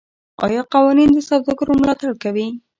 آیا قوانین د سوداګرو ملاتړ کوي؟